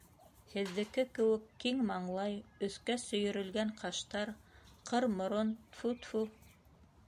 Һеҙҙеке кеүек киң маңлай, өҫкә сөйөрөлгән ҡаштар, ҡыр морон, тфү-тфү...